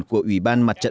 của ủy ban mặt trận